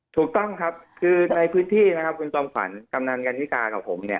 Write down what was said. ถูกต้องครับคือในพื้นที่นะครับคุณจอมขวัญกำนันกันนิกากับผมเนี่ย